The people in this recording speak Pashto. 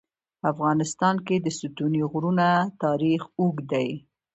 په افغانستان کې د ستوني غرونه تاریخ اوږد دی.